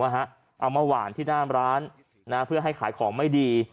เอามาหวานที่หน้าร้านเพื่อให้ขายของไม่ดี